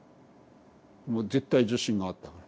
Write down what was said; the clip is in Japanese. もう絶対自信があったから。